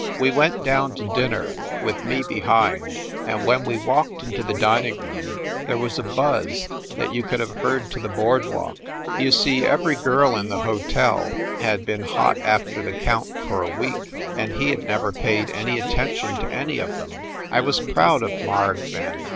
We went down to dinner, with me behind, and when we walked into the dining room there was a buzz that you could have heard to the board walk. You see, every girl in the hotel had been hot after the count for a week, and he never had paid any at tention to any of them. I was proud of Marg, then.